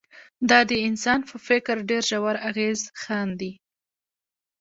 دا د انسان په فکر ډېر ژور اغېز ښندي